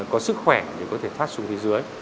có sức khỏe thì có thể thoát xuống phía dưới